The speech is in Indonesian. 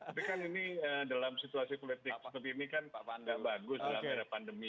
tapi kan ini dalam situasi politik seperti ini kan pak panda bagus dalam era pandemi